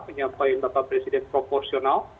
penyampaian bapak presiden proporsional